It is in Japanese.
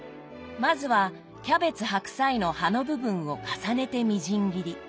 まずはキャベツ白菜の葉の部分を重ねてみじん切り。